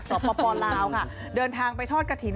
สปลาวค่ะเดินทางไปทอดกระถิ่น